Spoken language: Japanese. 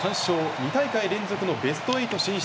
２大会連続のベスト８進出。